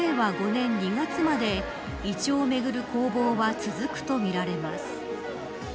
５年２月までイチョウをめぐる攻防は続くとみられます。